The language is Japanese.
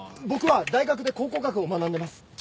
僕は大学で考古学を学んでます。